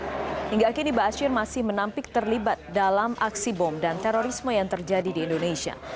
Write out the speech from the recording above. hingga kini ⁇ baasyir ⁇ masih menampik terlibat dalam aksi bom dan terorisme yang terjadi di indonesia